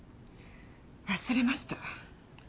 忘れました。